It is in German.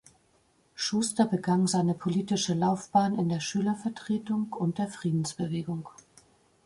Schuster begann seine politische Laufbahn in der Schülervertretung und der Friedensbewegung.